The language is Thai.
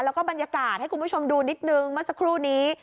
แล้วก็บรรยากาศให้คุณผู้ชมดูนิดนึงเมื่อสักครู่นี้